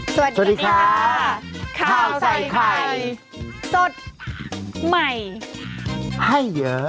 สวัสดีค่ะข้าวใส่ไข่สดใหม่ให้เยอะ